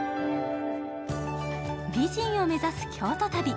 美人を目指す京都旅。